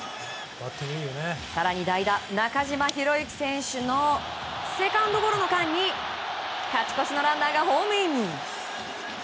更に代打、中島宏之選手のセカンドゴロの間に勝ち越しのランナーがホームイン。